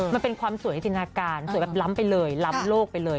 มันเป็นความสวยจินตนาการสวยแบบล้ำไปเลยล้ำโลกไปเลย